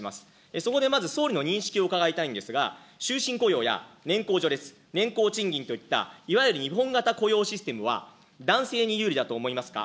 そこでまず総理の認識を伺いたいんですが、終身雇用や年功序列、年功賃金といったいわゆる日本型雇用システムは、男性に有利だと思いますか。